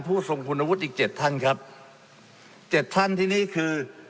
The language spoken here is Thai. ทรงคุณวุฒิอีกเจ็ดท่านครับเจ็ดท่านที่นี่คือ